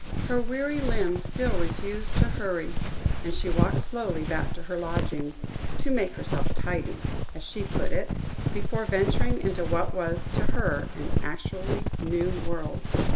Her weary limbs still refused to hurry, and she walked slowly back to her lodgings, "to make herself tidy," as she put it, before venturing into what was to her an actually new world.